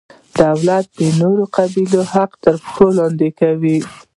دولت د نورو قبیلو حق تر پښو لاندې کاوه.